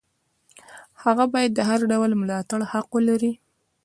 هغه باید د هر ډول ملاتړ حق ولري.